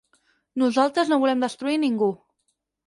«Nosaltres no volem destruir ningú.